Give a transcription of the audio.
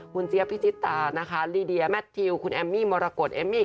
คุณเจี๊ยพิจิตตานะคะลีเดียแมททิวคุณแอมมี่มรกฏเอมมี่